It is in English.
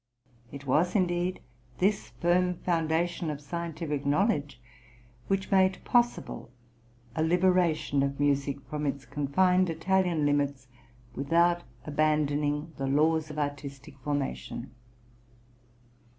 It was indeed, this firm foundation of scientific knowledge which made possible a liberation of music from its confined Italian limits without abandoning the laws of artistic formation.